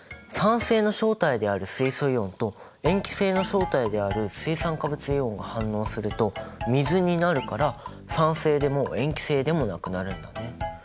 酸性の正体である水素イオンと塩基性の正体である水酸化物イオンが反応すると水になるから酸性でも塩基性でもなくなるんだね。